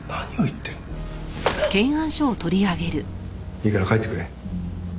いいから帰ってくれ。